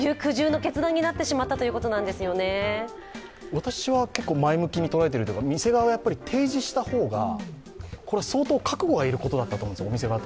私は結構前向きに捉えているというか、店側は提示した方がこれは相当覚悟がいることだったと思います。